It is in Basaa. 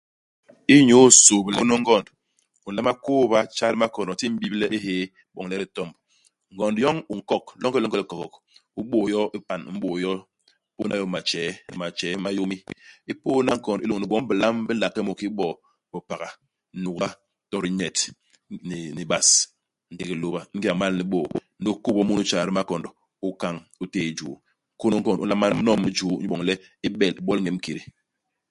Inyu isôble nkônô u ngond, u nlama kôôba tjay di makondo ti u m'bible i hyéé iboñ le di tomb. Ngond yoñ u nkok longelonge i likogok, u bôô yo i pan, u m'bôô yo, u pôdna yo ni matjee ni matjee ma yômi. U pôdna ingond i lôñni gwom bilam bi nla ke mu kiki bo bipaga, nuga, to dinyet ni ni bas, ndék hilôba. Ingéda u m'mal ni bôô ndi u kôp mu i tjay di makondo, u kañ, u téé i juu. Nkônô u ngond u nlama le u n'nom i juu inyu iboñ le u bel ibol i ñem-kédé.